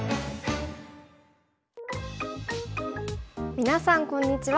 皆さんこんにちは。